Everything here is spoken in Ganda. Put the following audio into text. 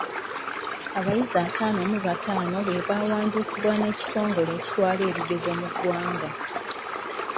Abayizi attaano mu battaano be baawandiisibwa n'ekitongole ekitwala ebigezo mu ggwanga.